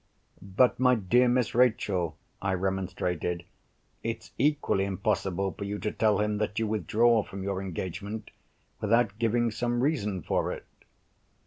"But, my dear Miss Rachel," I remonstrated, "it's equally impossible for you to tell him that you withdraw from your engagement without giving some reason for it."